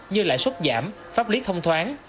như lãi suất giảm pháp lý thông thoáng